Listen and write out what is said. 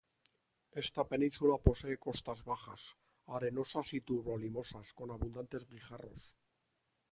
Esta península posee costas bajas, arenosas y turbo-limosas, con abundantes guijarros.